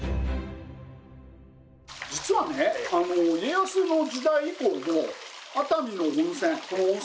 実はね家康の時代以降も熱海の温泉